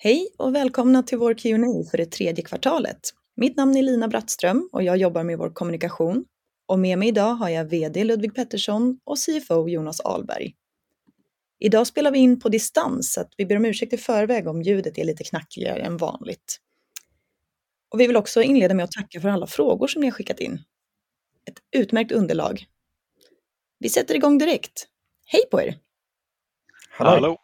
Hej och välkomna till vår Q&A för det tredje kvartalet. Mitt namn är Lina Brattström och jag jobbar med vår kommunikation. Och med mig idag har jag VD Ludvig Pettersson och CFO Jonas Ahlberg. Idag spelar vi in på distans, så vi ber om ursäkt i förväg om ljudet är lite knackigare än vanligt. Och vi vill också inleda med att tacka för alla frågor som ni har skickat in. Ett utmärkt underlag. Vi sätter igång direkt. Hej på er! Hallå.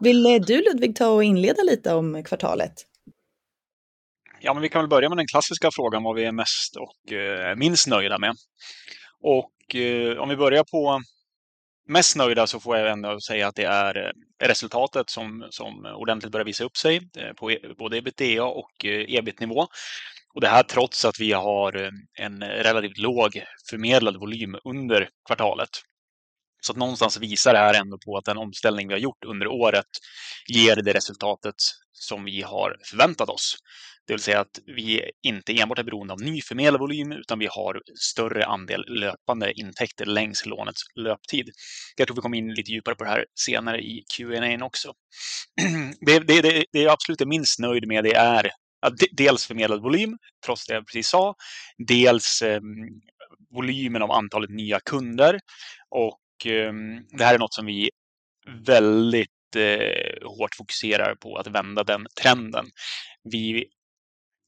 Vill du, Ludvig, ta och inleda lite om kvartalet? Ja, men vi kan väl börja med den klassiska frågan vad vi är mest och minst nöjda med. Om vi börjar på mest nöjda så får jag ändå säga att det är resultatet som ordentligt börjar visa upp sig på både EBITDA- och EBIT-nivå. Det här trots att vi har en relativt låg förmedlad volym under kvartalet. Någonstans visar det här ändå på att den omställning vi har gjort under året ger det resultatet som vi har förväntat oss. Det vill säga att vi inte enbart är beroende av ny förmedlad volym, utan vi har större andel löpande intäkter längs lånets löptid. Jag tror vi kommer in lite djupare på det här senare i Q&A också. Det jag absolut är minst nöjd med, det är dels förmedlad volym, trots det jag precis sa, dels volymen av antalet nya kunder. Och det här är något som vi väldigt hårt fokuserar på att vända den trenden. Vi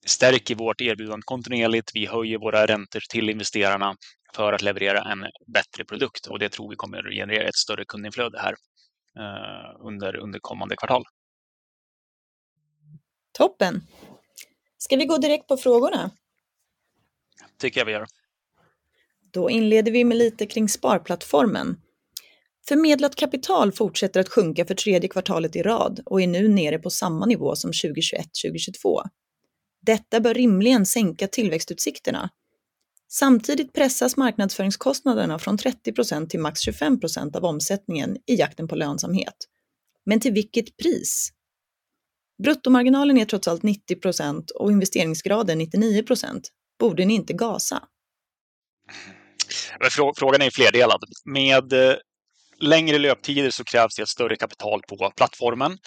stärker vårt erbjudande kontinuerligt. Vi höjer våra räntor till investerarna för att leverera en bättre produkt och det tror vi kommer att generera ett större kundinflöde här under kommande kvartal. Toppen! Ska vi gå direkt på frågorna? Tycker jag vi gör. Då inleder vi med lite kring sparplattformen. Förmedlat kapital fortsätter att sjunka för tredje kvartalet i rad och är nu nere på samma nivå som 2021, 2022. Detta bör rimligen sänka tillväxtutsikterna. Samtidigt pressas marknadsföringskostnaderna från 30% till max 25% av omsättningen i jakten på lönsamhet. Men till vilket pris? Bruttomarginalen är trots allt 90% och investeringsgraden 99%. Borde ni inte gasa? Frågan är ju flerdelad. Med längre löptider så krävs det ett större kapital på plattformen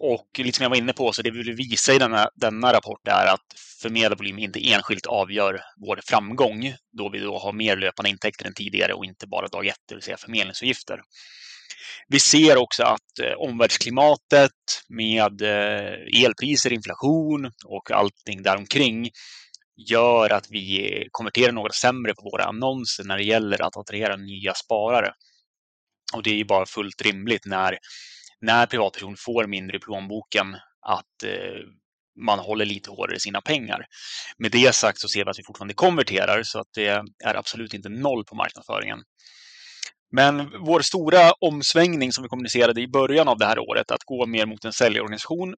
och liksom jag var inne på, så det vi vill visa i denna rapport är att förmedlarvolym inte enskilt avgör vår framgång, då vi har mer löpande intäkter än tidigare och inte bara dag ett, det vill säga förmedlingsavgifter. Vi ser också att omvärldsklimatet med elpriser, inflation och allting däromkring gör att vi konverterar något sämre på våra annonser när det gäller att attrahera nya sparare. Det är ju bara fullt rimligt när privatperson får mindre i plånboken, att man håller lite hårdare i sina pengar. Med det sagt så ser vi att vi fortfarande konverterar, så att det är absolut inte noll på marknadsföringen. Men vår stora omsvängning, som vi kommunicerade i början av det här året, att gå mer mot en säljorganisation,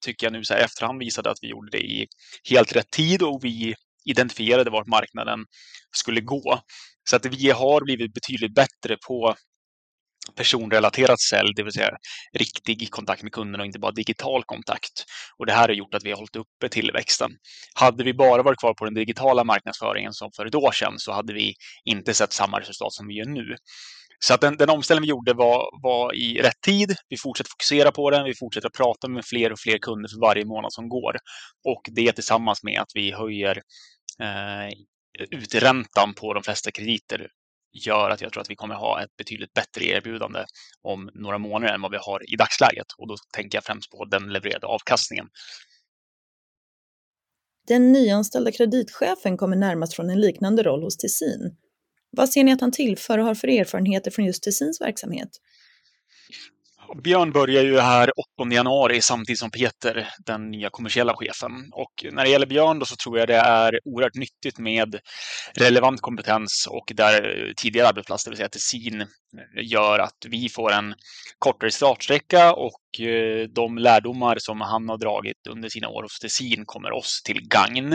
tycker jag nu så här i efterhand visade att vi gjorde det i helt rätt tid och vi identifierade vart marknaden skulle gå. Så att vi har blivit betydligt bättre på personrelaterat sälj, det vill säga riktig kontakt med kunderna och inte bara digital kontakt. Det här har gjort att vi har hållit uppe tillväxten. Hade vi bara varit kvar på den digitala marknadsföringen som för ett år sedan, så hade vi inte sett samma resultat som vi gör nu. Så att den omställningen vi gjorde var i rätt tid. Vi fortsätter fokusera på den. Vi fortsätter att prata med fler och fler kunder för varje månad som går och det tillsammans med att vi höjer uträntan på de flesta krediter, gör att jag tror att vi kommer att ha ett betydligt bättre erbjudande om några månader än vad vi har i dagsläget. Och då tänker jag främst på den levererade avkastningen. Den nyanställda kreditchefen kommer närmast från en liknande roll hos Tessin. Vad ser ni att han tillför och har för erfarenheter från just Tessins verksamhet? Björn började ju här åttonde januari, samtidigt som Peter, den nya kommersiella chefen. När det gäller Björn då så tror jag det är oerhört nyttigt med relevant kompetens och där tidigare arbetsplats, det vill säga Tessin, gör att vi får en kortare startsträcka och de lärdomar som han har dragit under sina år hos Tessin kommer oss till gagn.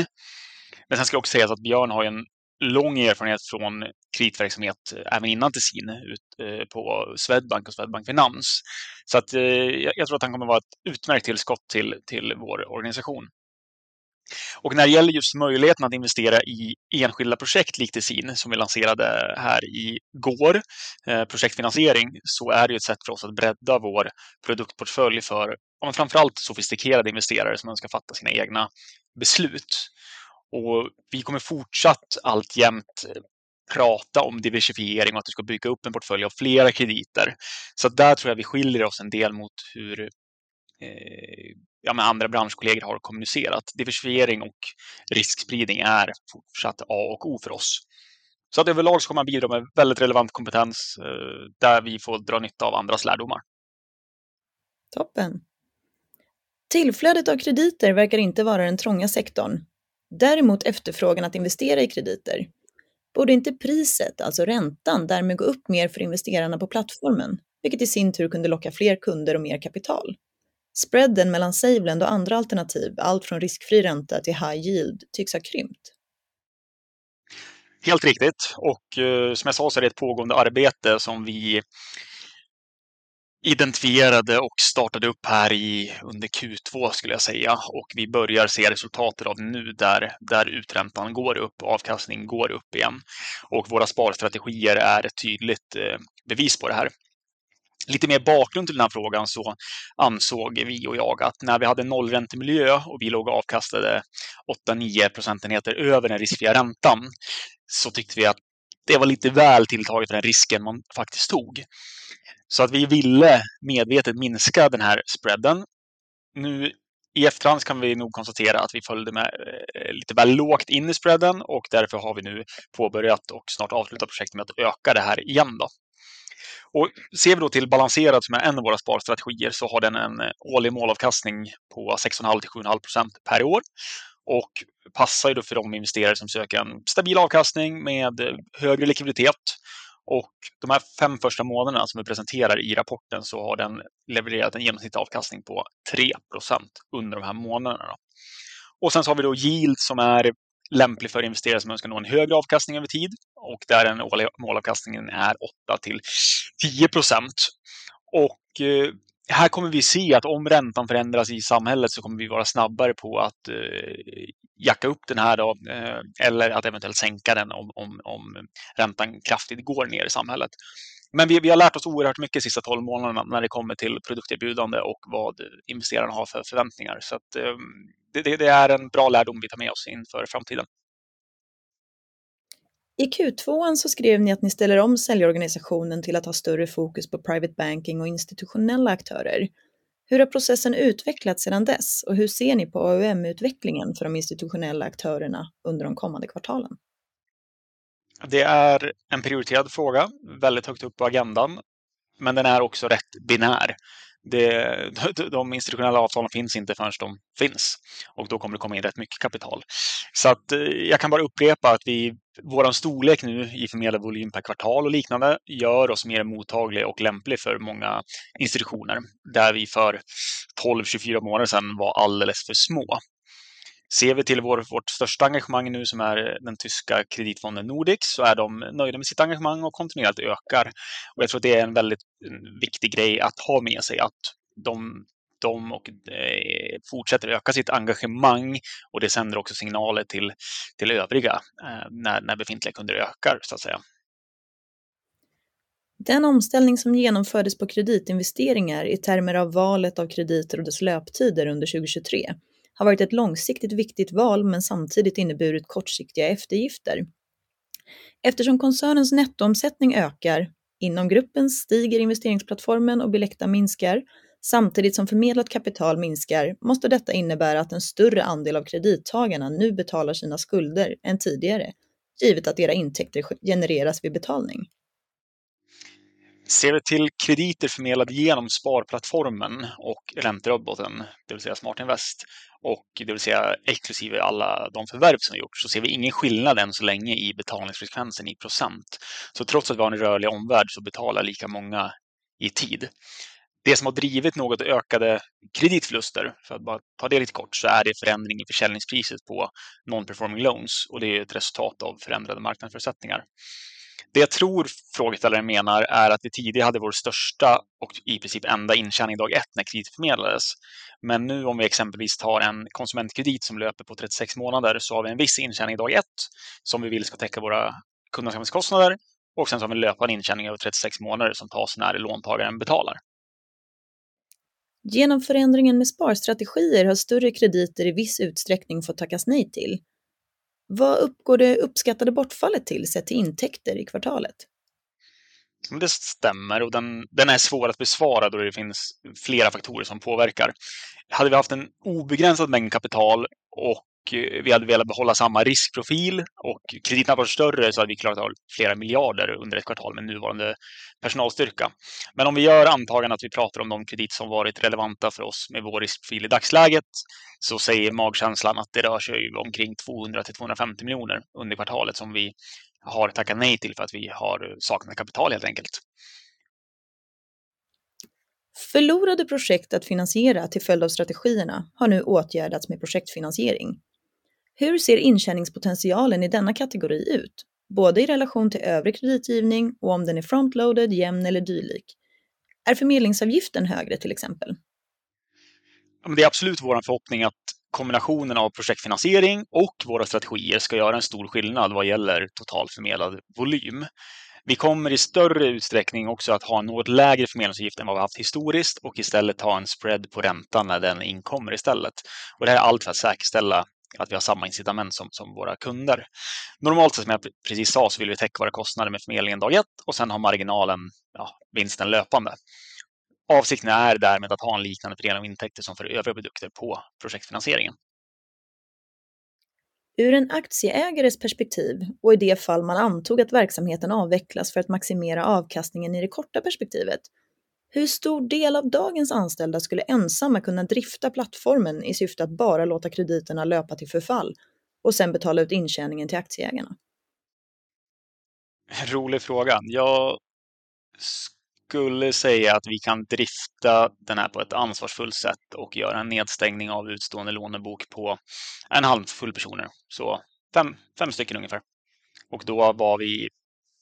Men sen ska jag också säga att Björn har en lång erfarenhet från kreditverksamhet, även innan Tessin, ut på Swedbank och Swedbank Finans. Så att jag tror att han kommer vara ett utmärkt tillskott till vår organisation. När det gäller just möjligheten att investera i enskilda projekt, likt Tessin, som vi lanserade här i går, projektfinansiering, så är det ett sätt för oss att bredda vår produktportfölj för, ja framför allt sofistikerade investerare som önskar fatta sina egna beslut. Och vi kommer fortsatt alltjämt prata om diversifiering och att du ska bygga upp en portfölj av flera krediter. Så att där tror jag vi skiljer oss en del mot hur andra branschkollegor har kommunicerat. Diversifiering och riskspridning är fortsatt A och O för oss. Så att överlag så kommer han att bidra med väldigt relevant kompetens, där vi får dra nytta av andras lärdomar. Toppen. Tillflödet av krediter verkar inte vara den trånga sektorn, däremot efterfrågan att investera i krediter. Borde inte priset, alltså räntan, därmed gå upp mer för investerarna på plattformen, vilket i sin tur kunde locka fler kunder och mer kapital? Spreaden mellan Savlend och andra alternativ, allt från riskfri ränta till high yield, tycks ha krympt. Helt riktigt, och som jag sa så är det ett pågående arbete som vi identifierade och startade upp här under Q2, skulle jag säga, och vi börjar se resultatet av det nu, där uträntan går upp och avkastningen går upp igen. Våra sparstrategier är ett tydligt bevis på det här. Lite mer bakgrund till den här frågan så ansåg vi att när vi hade nollräntemiljö och vi låg och avkastade åtta, nio procentenheter över den riskfria räntan, så tyckte vi att det var lite väl tilltaget för den risken man faktiskt tog. Vi ville medvetet minska den här spreaden. Nu, i efterhand kan vi nog konstatera att vi följde med lite väl lågt in i spreaden och därför har vi nu påbörjat och snart avslutat projektet med att öka det här igen då. Och ser vi då till Balanserat som är en av våra sparstrategier, så har den en årlig målavkastning på 6,5% till 7,5% per år och passar ju då för de investerare som söker en stabil avkastning med högre likviditet. Och de här fem första månaderna som vi presenterar i rapporten så har den levererat en genomsnittlig avkastning på 3% under de här månaderna. Och sen har vi då Yield, som är lämplig för investerare som önskar nå en högre avkastning över tid och där den årliga målavkastningen är 8% till 10%. Och här kommer vi se att om räntan förändras i samhället så kommer vi vara snabbare på att jacka upp den här då, eller att eventuellt sänka den om räntan kraftigt går ner i samhället. Men vi har lärt oss oerhört mycket de sista tolv månaderna när det kommer till produkterbjudande och vad investerarna har för förväntningar. Det är en bra lärdom vi tar med oss inför framtiden. I Q2 så skrev ni att ni ställer om säljorganisationen till att ha större fokus på private banking och institutionella aktörer. Hur har processen utvecklats sedan dess och hur ser ni på AUM-utvecklingen för de institutionella aktörerna under de kommande kvartalen? Det är en prioriterad fråga, väldigt högt upp på agendan, men den är också rätt binär. De institutionella avtalen finns inte förrän de finns och då kommer det komma in rätt mycket kapital. Så att jag kan bara upprepa att vi, vår storlek nu i förmedlarvolym per kvartal och liknande, gör oss mer mottaglig och lämplig för många institutioner, där vi för tolv, tjugofyra månader sedan var alldeles för små. Ser vi till vårt största engagemang nu, som är den tyska kreditfonden Nordics, så är de nöjda med sitt engagemang och kontinuerligt ökar. Jag tror det är en väldigt viktig grej att ha med sig, att de fortsätter öka sitt engagemang och det sänder också signaler till övriga när befintliga kunder ökar så att säga. Den omställning som genomfördes på kreditinvesteringar i termer av valet av krediter och dess löptider under 2023 har varit ett långsiktigt viktigt val, men samtidigt inneburit kortsiktiga eftergifter. Eftersom koncernens nettoomsättning ökar, inom gruppen stiger investeringsplattformen och billetta minskar, samtidigt som förmedlat kapital minskar, måste detta innebära att en större andel av kredittagarna nu betalar sina skulder än tidigare, givet att era intäkter genereras vid betalning. Ser vi till krediter förmedlade igenom sparplattformen och ränteroboten, det vill säga Smart Invest, och det vill säga inklusive alla de förvärv som har gjorts, så ser vi ingen skillnad än så länge i betalningsfrekvensen i procent. Trots att vi har en rörlig omvärld så betalar lika många i tid. Det som har drivit något ökade kreditförluster, för att bara ta det lite kort, så är det förändring i försäljningspriset på non performing loans och det är ett resultat av förändrade marknadsförutsättningar. Det jag tror frågeställaren menar är att vi tidigare hade vår största och i princip enda intjäning dag ett när kredit förmedlades. Men nu, om vi exempelvis tar en konsumentkredit som löper på trettiosex månader, så har vi en viss intjäning dag ett, som vi vill ska täcka våra kundansvarskostnader och sen så har vi en löpande intjäning över trettiosex månader som tas när låntagaren betalar. Genom förändringen med sparstrategier har större krediter i viss utsträckning fått tackas nej till. Vad uppgår det uppskattade bortfallet till, sett till intäkter i kvartalet? Det stämmer och den är svår att besvara då det finns flera faktorer som påverkar. Hade vi haft en obegränsad mängd kapital och vi hade velat behålla samma riskprofil och krediterna varit större, så hade vi klarat av flera miljarder under ett kvartal med nuvarande personalstyrka. Men om vi gör antagandet att vi pratar om de krediter som varit relevanta för oss med vår riskprofil i dagsläget, så säger magkänslan att det rör sig omkring 200 till 250 miljoner under kvartalet som vi har tackat nej till för att vi har saknat kapital helt enkelt. Förlorade projekt att finansiera till följd av strategierna har nu åtgärdats med projektfinansiering. Hur ser intjäningspotentialen i denna kategori ut, både i relation till övrig kreditgivning och om den är frontloaded, jämn eller dylik? Är förmedlingsavgiften högre, till exempel? Det är absolut vår förhoppning att kombinationen av projektfinansiering och våra strategier ska göra en stor skillnad vad gäller total förmedlad volym. Vi kommer i större utsträckning också att ha en något lägre förmedlingsavgift än vad vi haft historiskt och istället ta en spread på räntan när den inkommer istället. Det här är allt för att säkerställa att vi har samma incitament som våra kunder. Normalt sett, som jag precis sa, så vill vi täcka våra kostnader med förmedlingen dag ett och sedan ha marginalen, ja, vinsten löpande. Avsikten är därmed att ha en liknande fördel av intäkter som för övriga produkter på projektfinansieringen. Ur en aktieägares perspektiv och i det fall man antog att verksamheten avvecklas för att maximera avkastningen i det korta perspektivet, hur stor del av dagens anställda skulle ensamma kunna drifta plattformen i syfte att bara låta krediterna löpa till förfall och sedan betala ut intjäningen till aktieägarna? Rolig fråga! Jag skulle säga att vi kan drifta den här på ett ansvarsfullt sätt och göra en nedstängning av utstående lånebok på en halv full personer. Så fem, fem stycken ungefär. Och då var vi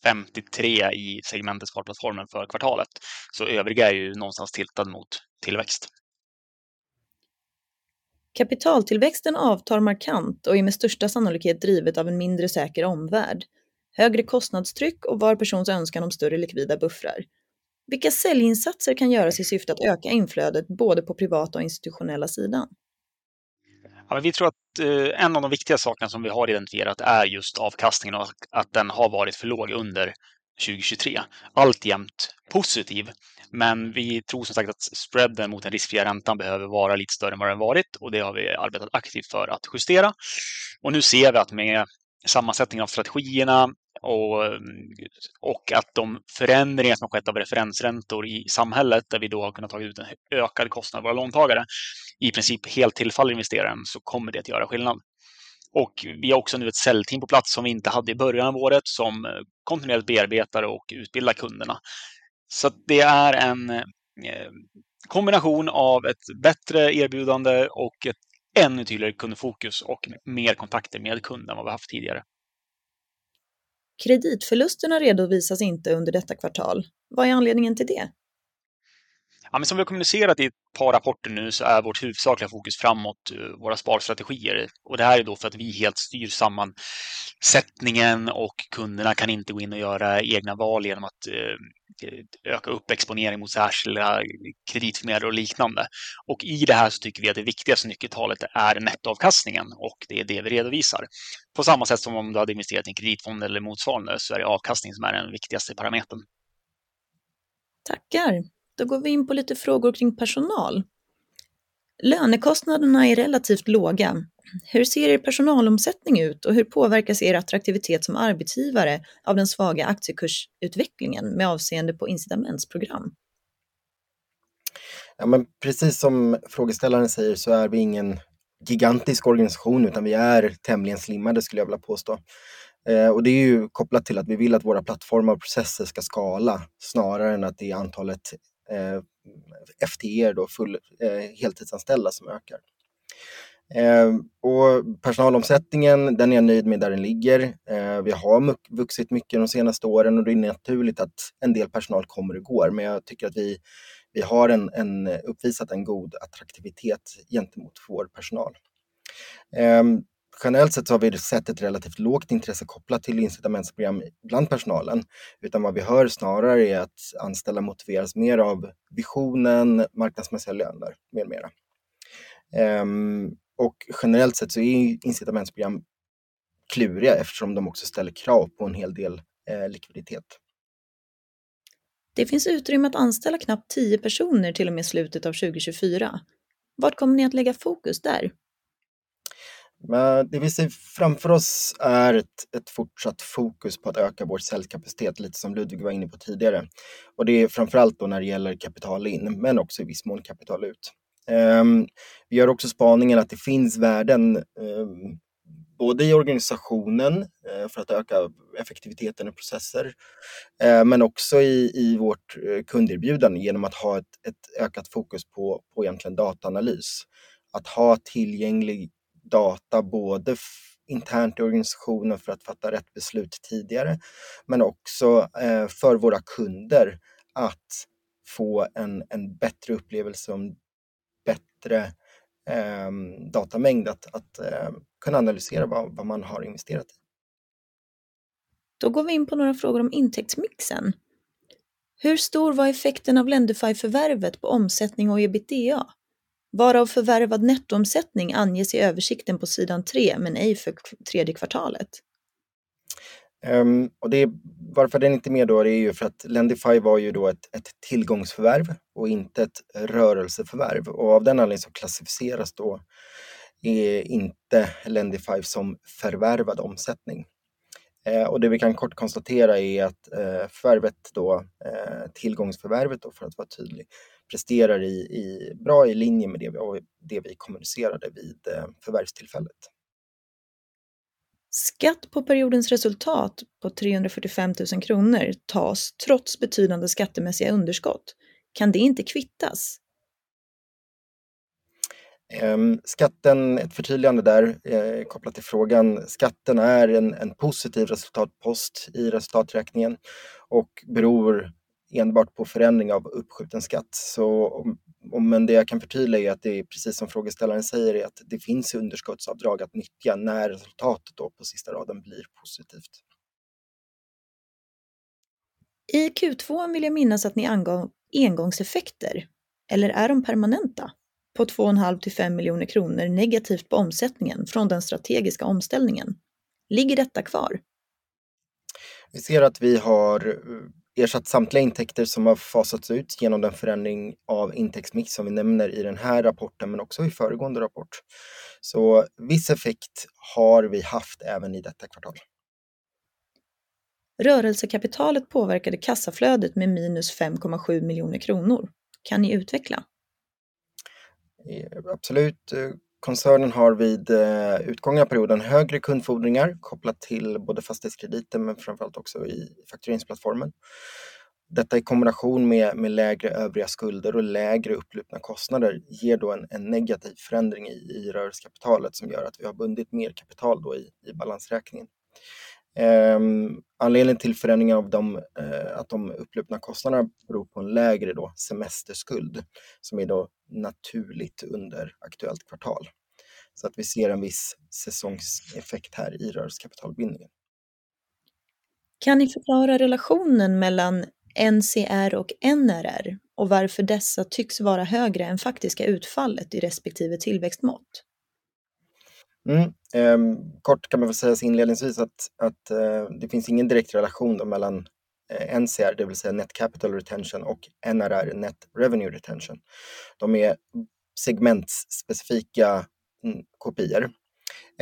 femtiotre i segmentet sparplattformen för kvartalet. Så övriga är ju någonstans tiltad mot tillväxt. Kapitaltillväxten avtar markant och är med största sannolikhet drivet av en mindre säker omvärld, högre kostnadstryck och var persons önskan om större likvida buffrar. Vilka säljinsatser kan göras i syfte att öka inflödet både på privata och institutionella sidan? Ja, vi tror att en av de viktigaste sakerna som vi har identifierat är just avkastningen och att den har varit för låg under 2023. Alltjämt positiv, men vi tror som sagt att spreaden mot den riskfria räntan behöver vara lite större än vad den har varit, och det har vi arbetat aktivt för att justera. Nu ser vi att med sammansättningen av strategierna och att de förändringar som har skett av referensräntor i samhället, där vi då har kunnat ta ut en ökad kostnad av våra låntagare, i princip helt tillfaller investeraren, så kommer det att göra skillnad. Vi har också nu ett säljteam på plats som vi inte hade i början av året, som kontinuerligt bearbetar och utbildar kunderna. Så att det är en kombination av ett bättre erbjudande och ett ännu tydligare kundfokus och mer kontakter med kunden än vad vi haft tidigare. Kreditförlusterna redovisas inte under detta kvartal. Vad är anledningen till det? Ja, men som vi har kommunicerat i ett par rapporter nu så är vårt huvudsakliga fokus framåt våra sparstrategier. Och det är ju då för att vi helt styr sammansättningen och kunderna kan inte gå in och göra egna val igenom att öka upp exponering mot särskilda kreditförmedel och liknande. Och i det här så tycker vi att det viktigaste nyckeltalet är nettoavkastningen, och det är det vi redovisar. På samma sätt som om du hade investerat i en kreditfond eller motsvarande, så är det avkastning som är den viktigaste parametern. Tack! Då går vi in på lite frågor kring personal. Lönekostnaderna är relativt låga. Hur ser er personalomsättning ut och hur påverkas er attraktivitet som arbetsgivare av den svaga aktiekursutvecklingen med avseende på incitamentsprogram? Ja, men precis som frågeställaren säger så är vi ingen gigantisk organisation, utan vi är tämligen slimmade skulle jag vilja påstå. Och det är ju kopplat till att vi vill att våra plattformar och processer ska skala snarare än att det är antalet FTE, då full, heltidsanställda som ökar. Och personalomsättningen, den är jag nöjd med där den ligger. Vi har vuxit mycket de senaste åren och det är naturligt att en del personal kommer och går, men jag tycker att vi har uppvisat en god attraktivitet gentemot vår personal. Generellt sett så har vi sett ett relativt lågt intresse kopplat till incitamentsprogram bland personalen, utan vad vi hör snarare är att anställda motiveras mer av visionen, marknadsmässiga löner med mera. Och generellt sett så är incitamentsprogram kluriga eftersom de också ställer krav på en hel del likviditet. Det finns utrymme att anställa knappt tio personer till och med slutet av 2024. Var kommer ni att lägga fokus där? Det vi ser framför oss är ett fortsatt fokus på att öka vår säljkapacitet, lite som Ludwig var inne på tidigare. Och det är framför allt då när det gäller kapital in, men också i viss mån kapital ut. Vi gör också spaningen att det finns värden, både i organisationen för att öka effektiviteten i processer, men också i vårt kunderbjudande genom att ha ett ökat fokus på egentligen dataanalys. Att ha tillgänglig data, både internt i organisationen för att fatta rätt beslut tidigare, men också för våra kunder att få en bättre upplevelse och en bättre datamängd att kunna analysera vad man har investerat i. Då går vi in på några frågor om intäktsmixen. Hur stor var effekten av Lendify-förvärvet på omsättning och EBITDA? Bara av förvärvad nettoomsättning anges i översikten på sidan tre, men ej för tredje kvartalet. Och det, varför den inte är med då är ju för att Lendify var ju då ett tillgångsförvärv och inte ett rörelseförvärv. Och av den anledningen så klassificeras då inte Lendify som förvärvad omsättning. Och det vi kan kort konstatera är att förvärvet då, tillgångsförvärvet då för att vara tydlig, presterar i bra i linje med det vi kommunicerade vid förvärvstillfället. Skatt på periodens resultat på 345 000 kronor tas trots betydande skattemässiga underskott. Kan det inte kvittas? Skatten, ett förtydligande där, kopplat till frågan. Skatten är en positiv resultatpost i resultaträkningen och beror enbart på förändring av uppskjuten skatt. Men det jag kan förtydliga är att det är precis som frågeställaren säger, att det finns underskottsavdrag att nyttja när resultatet på sista raden blir positivt. I Q2 vill jag minnas att ni angav engångseffekter, eller är de permanenta, på två och en halv till fem miljoner kronor negativt på omsättningen från den strategiska omställningen? Ligger detta kvar? Vi ser att vi har ersatt samtliga intäkter som har fasats ut genom den förändring av intäktsmix som vi nämner i den här rapporten, men också i föregående rapport. Så viss effekt har vi haft även i detta kvartal. Rörelsekapitalet påverkade kassaflödet med minus 5,7 miljoner kronor. Kan ni utveckla? Absolut. Koncernen har vid utgångna perioden högre kundfordringar, kopplat till både fastighetskrediten, men framför allt också i faktureringsplattformen. Detta i kombination med lägre övriga skulder och lägre upplupna kostnader ger då en negativ förändring i rörelsekapitalet, som gör att vi har bundit mer kapital då i balansräkningen. Anledningen till förändringen av de upplupna kostnaderna beror på en lägre då semesterskuld, som är då naturligt under aktuellt kvartal. Vi ser en viss säsongseffekt här i rörelsekapitalbindningen. Kan ni förklara relationen mellan NCR och NRR och varför dessa tycks vara högre än faktiska utfallet i respektive tillväxtmått? Kort kan man väl säga inledningsvis att det finns ingen direkt relation mellan NCR, det vill säga Net Capital Retention, och NRR, Net Revenue Retention. De är segmentspecifika kopior.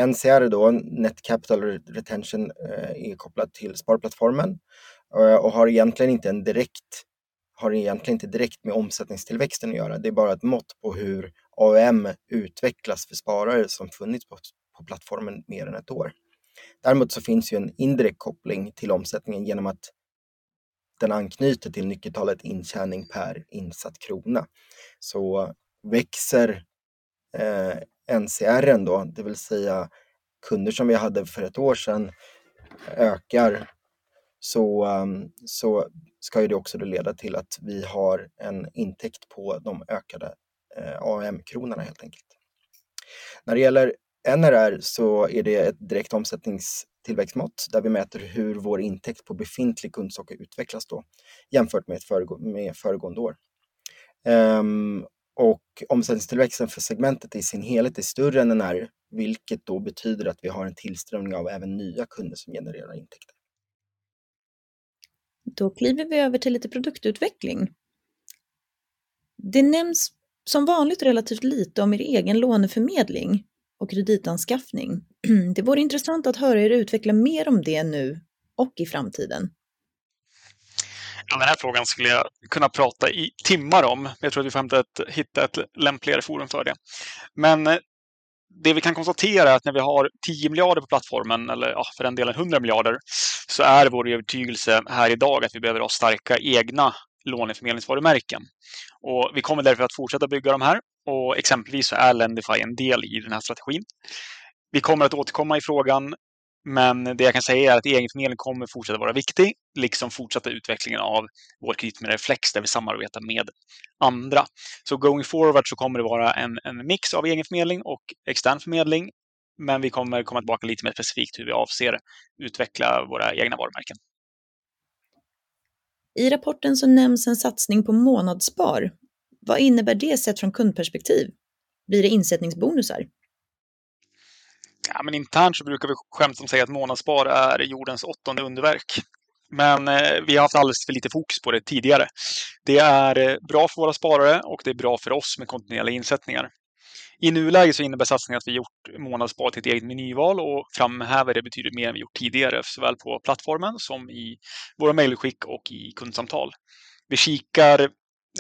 NCR då, Net Capital Retention, är kopplat till sparplattformen och har egentligen inte en direkt, har egentligen inte direkt med omsättningstillväxten att göra. Det är bara ett mått på hur AOM utvecklas för sparare som funnits på plattformen mer än ett år. Däremot så finns ju en indirekt koppling till omsättningen igenom att den anknyter till nyckeltalet intjäning per insatt krona. Så växer NCR ändå, det vill säga kunder som vi hade för ett år sedan ökar, så ska ju det också leda till att vi har en intäkt på de ökade AOM-kronorna helt enkelt. När det gäller NRR så är det ett direkt omsättningstillväxtmått, där vi mäter hur vår intäkt på befintlig kundstock utvecklas jämfört med föregående år. Omsättningstillväxten för segmentet i sin helhet är större än NRR, vilket betyder att vi har en tillströmning av även nya kunder som genererar intäkter. Då kliver vi över till lite produktutveckling. Det nämns som vanligt relativt lite om er egen låneförmedling och kreditanskaffning. Det vore intressant att höra er utveckla mer om det nu och i framtiden. Ja, den här frågan skulle jag kunna prata i timmar om, men jag tror att vi får hitta ett lämpligare forum för det. Men det vi kan konstatera är att när vi har 10 miljarder på plattformen, eller ja, för den delen 100 miljarder, så är vår övertygelse här idag att vi behöver ha starka egna låneförmedlingsvarumärken. Vi kommer därför att fortsätta bygga de här och exempelvis så är Lendify en del i den här strategin. Vi kommer att återkomma i frågan, men det jag kan säga är att egenförmedling kommer att fortsätta vara viktig, liksom fortsatta utvecklingen av vår kredit med Reflex, där vi samarbetar med andra. Going forward så kommer det vara en mix av egenförmedling och extern förmedling, men vi kommer att komma tillbaka lite mer specifikt hur vi avser utveckla våra egna varumärken. I rapporten så nämns en satsning på månadsspar. Vad innebär det sett från kundperspektiv? Blir det insättningsbonusar? Ja, men internt så brukar vi skämtsamt säga att månadsspar är jordens åttonde underverk, men vi har haft alldeles för lite fokus på det tidigare. Det är bra för våra sparare och det är bra för oss med kontinuerliga insättningar. I nuläget så innebär satsningen att vi gjort månadsspar till ett eget menyval och framhäver det betydligt mer än vi gjort tidigare, såväl på plattformen som i våra mejlutskick och i kundsamtal. Vi kikar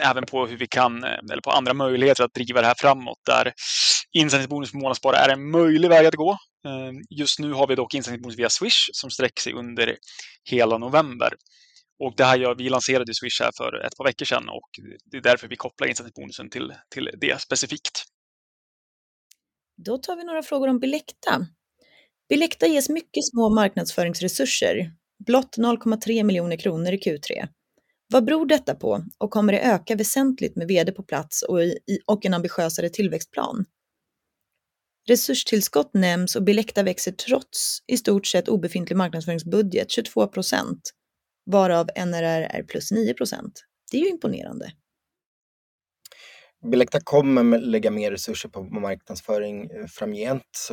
även på hur vi kan, eller på andra möjligheter att driva det här framåt, där insättningsbonus på månadsspar är en möjlig väg att gå. Just nu har vi dock insättningsbonus via Swish, som sträcker sig under hela november. Det här gör vi eftersom vi lanserade Swish här för ett par veckor sedan och det är därför vi kopplar insättningsbonusen till det specifikt. Då tar vi några frågor om Bilecta. Bilecta ges mycket små marknadsföringsresurser, blott 0,3 miljoner kronor i Q3. Vad beror detta på? Kommer det öka väsentligt med VD på plats och en ambitiösare tillväxtplan? Resurstillskott nämns och Bilecta växer trots i stort sett obefintlig marknadsföringsbudget, 22%, varav NRR är +9%. Det är ju imponerande! Bilecta kommer lägga mer resurser på marknadsföring framgent,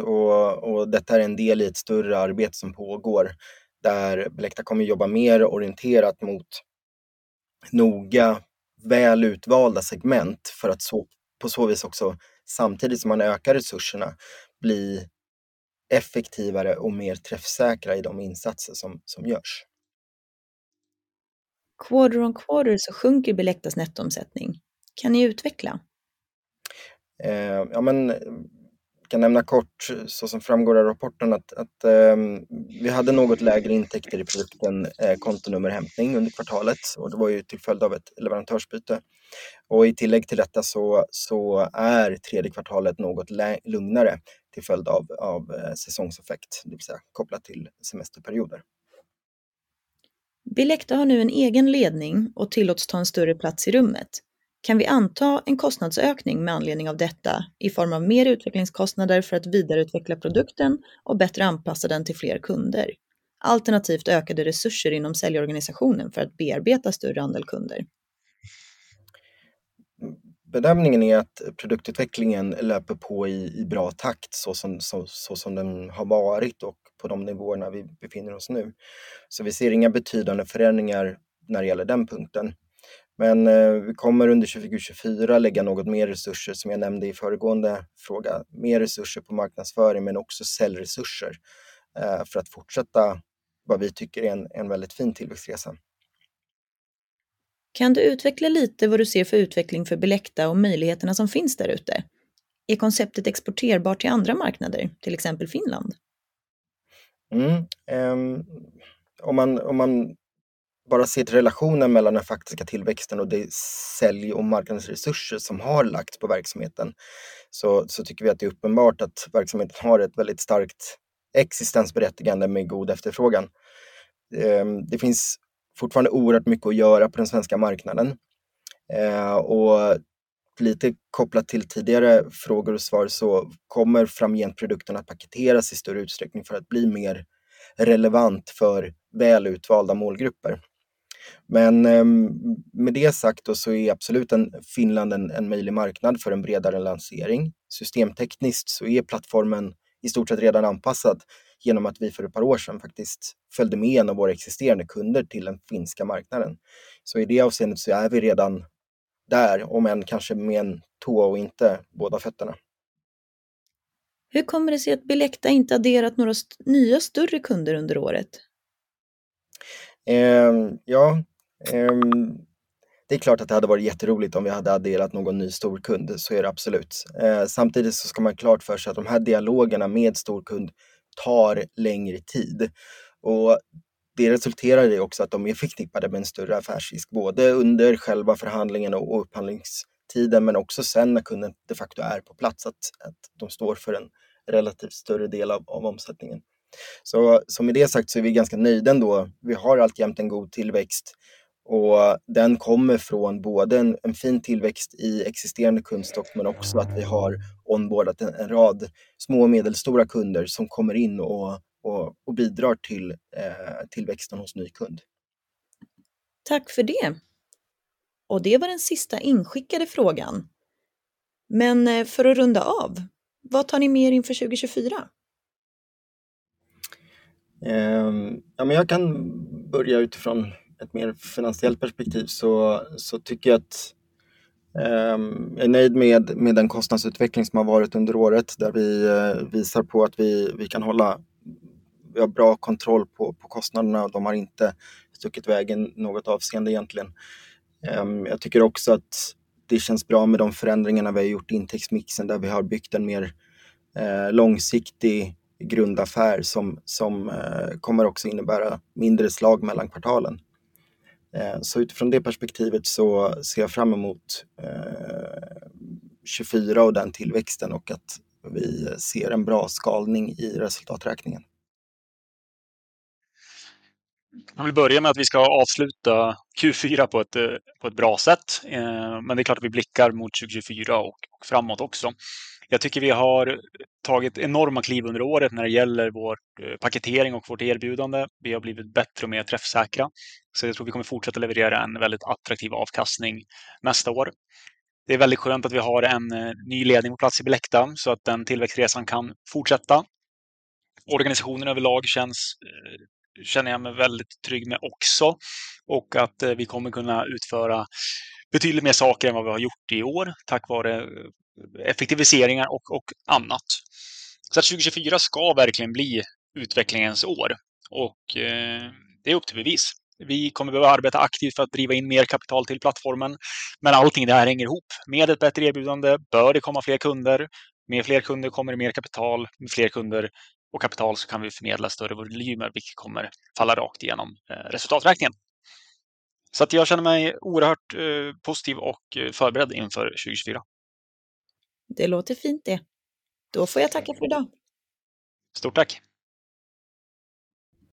och detta är en del i ett större arbete som pågår, där Bilecta kommer jobba mer orienterat mot noga väl utvalda segment för att på så vis också samtidigt som man ökar resurserna, bli effektivare och mer träffsäkra i de insatser som görs. Kvadrant om kvadrant så sjunker Bilectas nettoomsättning. Kan ni utveckla? Ja men, kan nämna kort, så som framgår av rapporten, att vi hade något lägre intäkter i produkten kontonummerhämtning under kvartalet, och det var till följd av ett leverantörsbyte. I tillägg till detta så är tredje kvartalet något lugnare till följd av säsongseffekt, det vill säga kopplat till semesterperioder. Bilecta har nu en egen ledning och tillåts ta en större plats i rummet. Kan vi anta en kostnadsökning med anledning av detta, i form av mer utvecklingskostnader för att vidareutveckla produkten och bättre anpassa den till fler kunder? Alternativt ökade resurser inom säljorganisationen för att bearbeta större andel kunder. Bedömningen är att produktutvecklingen löper på i bra takt, så som den har varit och på de nivåerna vi befinner oss nu. Vi ser inga betydande förändringar när det gäller den punkten. Men vi kommer under 2024 lägga något mer resurser, som jag nämnde i föregående fråga, mer resurser på marknadsföring, men också säljresurser, för att fortsätta vad vi tycker är en väldigt fin tillväxtresa. Kan du utveckla lite vad du ser för utveckling för Bilecta och möjligheterna som finns där ute? Är konceptet exporterbart till andra marknader, till exempel Finland? Om man bara sett relationen mellan den faktiska tillväxten och det sälj- och marknadsresurser som har lagts på verksamheten, så tycker vi att det är uppenbart att verksamheten har ett väldigt starkt existensberättigande med god efterfrågan. Det finns fortfarande oerhört mycket att göra på den svenska marknaden. Lite kopplat till tidigare frågor och svar så kommer framgent produkten att paketeras i större utsträckning för att bli mer relevant för väl utvalda målgrupper. Men med det sagt då så är absolut Finland en möjlig marknad för en bredare lansering. Systemtekniskt så är plattformen i stort sett redan anpassad genom att vi för ett par år sedan faktiskt följde med en av våra existerande kunder till den finska marknaden. Så i det avseendet så är vi redan där, om än kanske med en tå och inte båda fötterna. Hur kommer det sig att Bilecta inte adderat några nya större kunder under året? Det är klart att det hade varit jätteroligt om vi hade adderat någon ny storkund, så är det absolut. Samtidigt så ska man klart för sig att de här dialogerna med storkund tar längre tid. Och det resulterar i också att de är förknippade med en större affärsrisk, både under själva förhandlingen och upphandlingstiden, men också sedan när kunden de facto är på plats, att de står för en relativt större del av omsättningen. Så som med det sagt så är vi ganska nöjda ändå. Vi har alltjämt en god tillväxt och den kommer från både en fin tillväxt i existerande kundstock, men också att vi har onboardat en rad små och medelstora kunder som kommer in och bidrar till tillväxten hos ny kund. Tack för det! Och det var den sista inskickade frågan. Men för att runda av, vad tar ni med er inför 2024? Ja, men jag kan börja utifrån ett mer finansiellt perspektiv. Så tycker jag att jag är nöjd med den kostnadsutveckling som har varit under året, där vi visar på att vi kan hålla... Vi har bra kontroll på kostnaderna. De har inte stuckit i väg något avseende egentligen. Jag tycker också att det känns bra med de förändringarna vi har gjort i intäktsmixen, där vi har byggt en mer långsiktig grundaffär som kommer också innebära mindre slag mellan kvartalen. Så utifrån det perspektivet så ser jag fram emot 2024 och den tillväxten och att vi ser en bra skalning i resultaträkningen. Jag vill börja med att vi ska avsluta Q4 på ett bra sätt, men det är klart att vi blickar mot 2024 och framåt också. Jag tycker vi har tagit enorma kliv under året när det gäller vår paketering och vårt erbjudande. Vi har blivit bättre och mer träffsäkra, så jag tror vi kommer fortsätta leverera en väldigt attraktiv avkastning nästa år. Det är väldigt skönt att vi har en ny ledning på plats i Bilecta, så att den tillväxtresan kan fortsätta. Organisationen överlag känns, känner jag mig väldigt trygg med också och att vi kommer kunna utföra betydligt mer saker än vad vi har gjort i år, tack vare effektiviseringar och annat. Så att 2024 ska verkligen bli utvecklingens år och det är upp till bevis. Vi kommer att behöva arbeta aktivt för att driva in mer kapital till plattformen, men allting det här hänger ihop. Med ett bättre erbjudande bör det komma fler kunder. Med fler kunder kommer det mer kapital, med fler kunder och kapital så kan vi förmedla större volymer, vilket kommer falla rakt igenom resultaträkningen. Så att jag känner mig oerhört positiv och förberedd inför 2024. Det låter fint det. Då får jag tacka för idag. Stort tack!